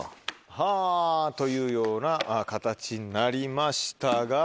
はぁというような形になりましたが。